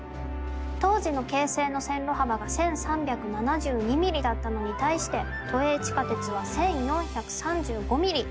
当時の京成の線路幅が１，３７２ミリだったのに対して都営地下鉄は１，４３５ミリ。